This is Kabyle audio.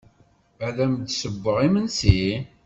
Ad am-d-ssewweɣ imensi?